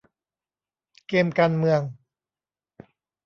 เกมการเมือง